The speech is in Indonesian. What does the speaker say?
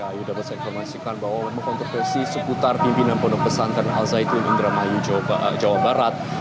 saya dapat menginformasikan bahwa mengontribusi seputar pimpinan pesantren al zaitun indra mayu jawa barat